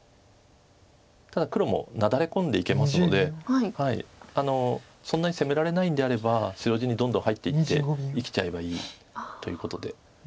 ただ黒もなだれ込んでいけますのでそんなに攻められないんであれば白地にどんどん入っていって生きちゃえばいいということで。